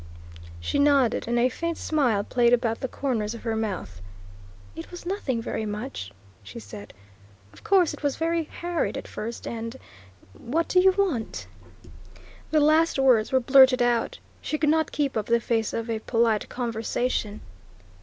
She nodded, and a faint smile played about the corners of her mouth. "It was nothing very much," she said. "Of course, it was very harried at first and what do you want?" The last words were blurted out. She could not keep up the farce of a polite conversation.